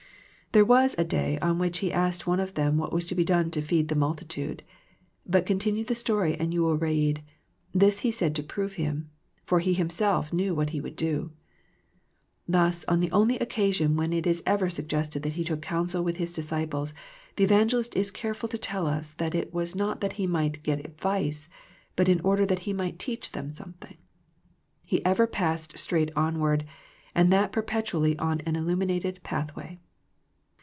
There was a day on which He asked one of them what was to be done to feed the multitude : but continue the story and you will read " This He said to prove him : for He Himself knew what He would do." Thus on the only occasion when it is ever suggested that He took counsel with His disciples the evangelist is careful to tell us that it was not that He might get advice, but in order that He might teach them something. He ever passed straight onward, and that perpetually on an illuminated pathway.